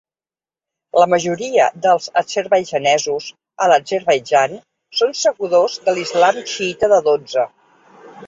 La majoria dels azerbaidjanesos a l'Azerbaidjan són seguidors de l'islam xiïta de Dotze.